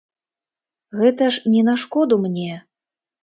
Гэта ж не на шкоду мне.